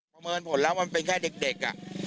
เมินผลแล้วมันเป็นแค่เด็ก